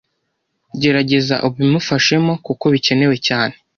Gerageza ubimufashemo kuko bikenewe cyane